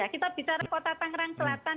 kita bicara kota tangerang selatan